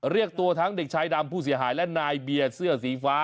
เรียกตัวทั้งเด็กชายดำผู้เสียหายและนายเบียร์เสื้อสีฟ้า